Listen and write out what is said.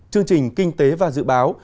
chương trình kinh tế và dự báo